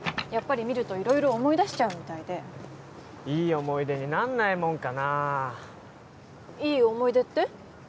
やっぱり見ると色々思い出しちゃうみたいでいい思い出になんないもんかないい思い出って？